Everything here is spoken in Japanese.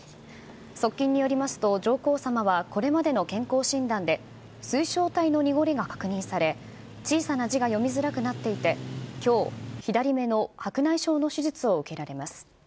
側近によりますと、上皇さまはこれまでの健康診断で、水晶体の濁りが確認され、小さな字が読みづらくなっていてきょう、左目の白内障の手術を受けられます。